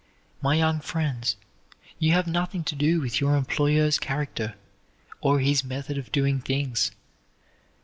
My young friends, you have nothing to do with your employer's character or his method of doing things.